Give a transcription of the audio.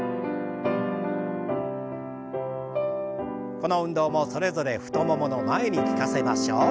この運動もそれぞれ太ももの前に効かせましょう。